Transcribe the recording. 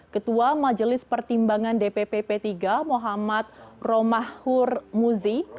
ketua majelis pertimbangan dpp p tiga muhammad romahur muzi